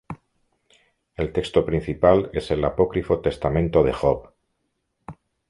El texto principal es el apócrifo Testamento de Job.